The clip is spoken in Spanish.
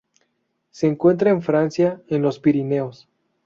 Se encuentra en Francia, en los Pirineos